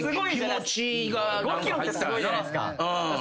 ５ｋｇってすごいじゃないっすか。